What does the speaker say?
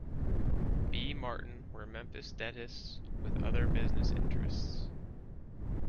B. Martin were Memphis dentists with other business interests.